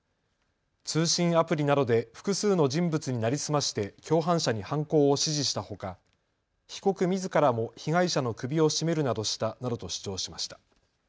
通信アプリなどで複数の人物に成り済まして共犯者に犯行を指示したほか被告みずからも被害者の首を絞めるなどしたなどと主張しました。